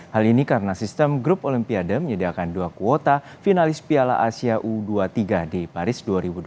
hal ini karena sistem grup olimpiade menyediakan dua kuota finalis piala asia u dua puluh tiga di paris dua ribu dua puluh